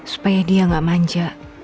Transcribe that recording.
supaya dia gak manja